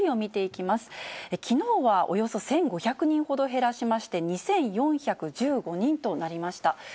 きのうはおよそ１５００人ほど減らしまして、２４１５人となりました。